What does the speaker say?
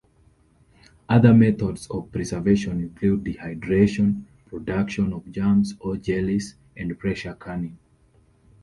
Other methods of preservation include dehydration, production of jams or jellies, and pressure canning.